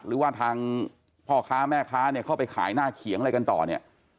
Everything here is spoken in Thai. หรือว่าทางพ่อค้าแม่ค้าเนี่ยเข้าไปขายหน้าเขียงอะไรกันต่อเนี่ย